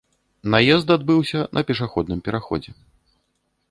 Наезд адбыўся на пешаходным пераходзе.